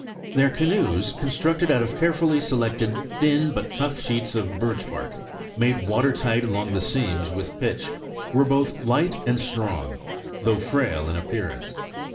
Their canoes, constructed out of carefully selected, thin, but tough sheets of birch bark, made water tight along the seams with pitch, were both light and strong, though frail in appearance.